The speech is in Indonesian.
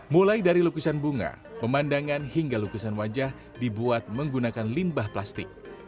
mulai dari lukisan bunga pemandangan hingga lukisan wajah dibuat menggunakan limbah plastik